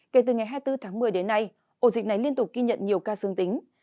kể từ ngày hai mươi bốn tháng một mươi đến nay ổ dịch này liên tục ghi nhận nhiều ca dương tính